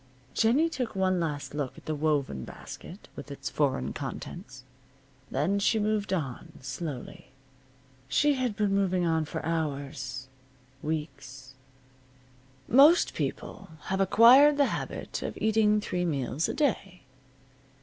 Jennie took one last look at the woven basket with its foreign contents. Then she moved on, slowly. She had been moving on for hours weeks. Most people have acquired the habit of eating three meals a day.